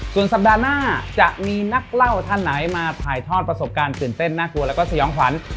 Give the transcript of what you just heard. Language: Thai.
ส่วนสัปดาห์หน้าจะมีนักเล่าท่านไหนมาถ่ายทอดประสบการณ์ตื่นเต้นน่ากลัวแล้วก็สยองขวัญ